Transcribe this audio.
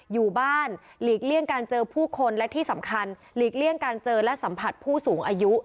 อยู่บ้านหลีกเลี่ยงการเจอผู้คนและที่สำคัญหลีกเลี่ยงการเจอและสัมผัสผู้สูงอายุ